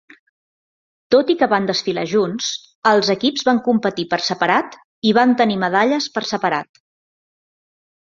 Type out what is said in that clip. Tot i que van desfilar junts, els equips van competir per separat i van tenir medalles per separat.